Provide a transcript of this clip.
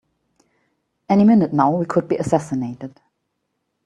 Any minute now we could be assassinated!